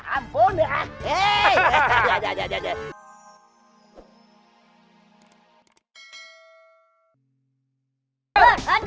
aduh aduh aduh